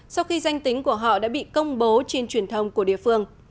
sau khi danh tính của họ đã bị công bố trên truyền thông của địa phương